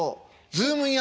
「ズームイン！！